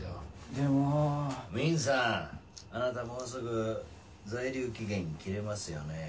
でもミンさんあなたもうすぐ在留期限切れますよね